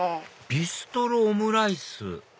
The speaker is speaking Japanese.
「ビストロオムライス」？